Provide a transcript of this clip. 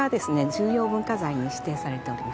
重要文化財に指定されております。